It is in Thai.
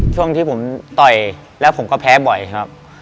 ช่วงที่ผมต่อยแล้วผมก็แพ้บ่อยครับ